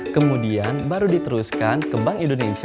kemudian baru diteruskan ke bank indonesia